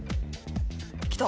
来た！